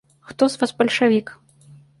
Хто з вас бальшавік?